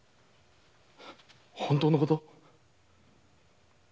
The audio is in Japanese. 本当のこと？